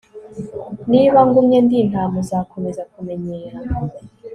Niba ngumye ndi intama uzakomeza kumenyera